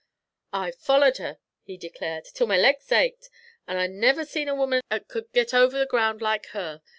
'I've follered her,' he declared, 'till my laigs ached, an' I never seen a woman 'at c'ud git over the ground like her.